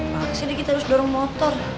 ya terpaksa deh kita harus dorong motor